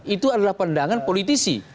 itu adalah pandangan politisi